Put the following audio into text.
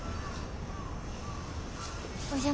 お邪魔。